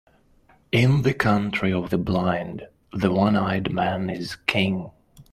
In the country of the blind, the one-eyed man is king.